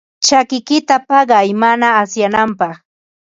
Chakikiyta paqay mana asyananpaq.